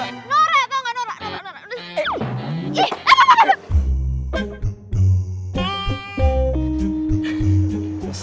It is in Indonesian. nora tau gak nora nora nora